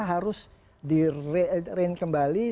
harus diren kembali